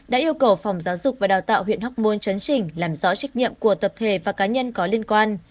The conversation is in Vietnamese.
đã yêu cầu phòng giáo dục và đào tạo tp hcm chấn trình làm rõ trách nhiệm của tập thể và cá nhân có liên quan